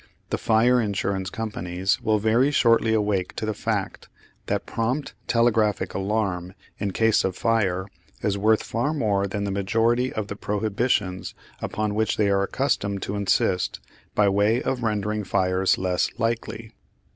The fire insurance companies will very shortly awake to the fact that prompt telegraphic alarm in case of fire is worth far more than the majority of the prohibitions upon which they are accustomed to insist by way of rendering fires less likely.